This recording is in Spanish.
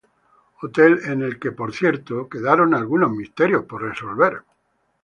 Hotel en el que, por cierto, quedaron algunos misterios por resolver.